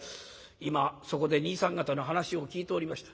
「今そこで兄さん方の話を聞いておりました。